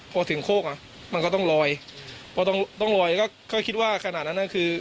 พอถึงโคกอ่ะมันก็ต้องลอยพอต้องต้องลอยก็คิดว่าขณะนั้นคือ